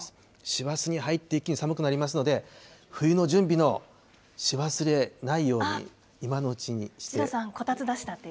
師走に入って一気に寒くなりますので、冬の準備のし忘れないように、今のうちにして。